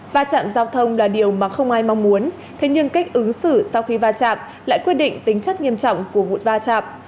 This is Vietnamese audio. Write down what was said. và chạm giao thông là điều mà không ai mong muốn thế nhưng cách ứng xử sau khi va chạm lại quyết định tính chất nghiêm trọng của vụ va chạm